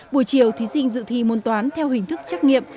buổi chiều thí sinh dự thi môn toán theo hình thức trắc nghiệm